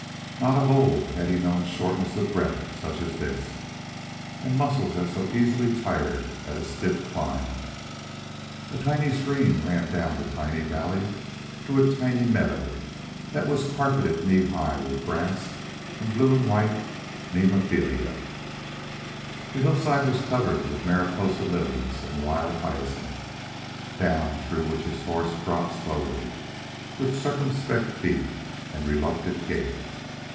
Not of old had he known shortness of breath such as this, and muscles that so easily tired at a stiff climb. A tiny stream ran down the tiny valley through a tiny meadow that was carpeted knee high with grass and blue and white nemophila. The hillside was covered with Mariposa lilies and wild hyacinth, down through which his horse dropped slowly, with circumspect feet and reluctant gait.